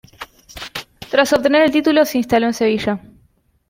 Tras obtener el título, se instaló en Sevilla.